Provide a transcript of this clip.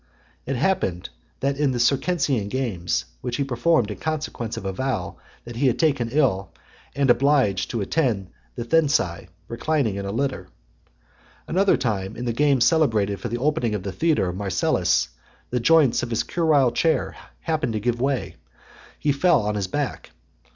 It happened in the Circensian games, which he performed in consequence of a vow, that he was taken ill, and obliged to attend the Thensae , reclining on a litter. Another time, in the games celebrated for the opening of the theatre of Marcellus, the joints of his curule chair happening to give way, he fell on his back.